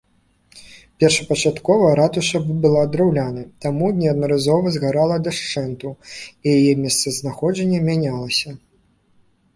Першапачаткова ратуша была драўлянай, таму неаднаразова згарала дашчэнту, і яе месцазнаходжанне мянялася.